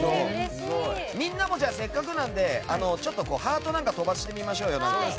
みんなもせっかくなのでハートなんか飛ばしてみましょうよ。